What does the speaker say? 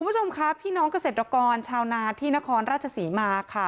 คุณผู้ชมค่ะพี่น้องเกษตรกรชาวนาที่นครราชศรีมาค่ะ